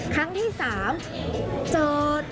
ครั้งที่๓จอด